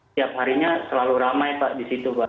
setiap harinya selalu ramai pak di situ pak